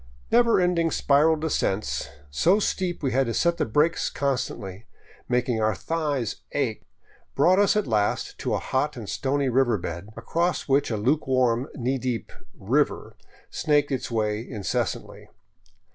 Never ending spiral descents, so steep we had to set the brakes con stantly, making our thighs ache, brought us at last to a hot and stony river bed across which a luke warm, knee deep " river " snaked its way incessantly.